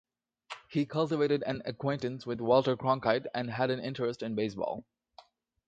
He cultivated an acquaintance with Walter Cronkite and had an interest in baseball.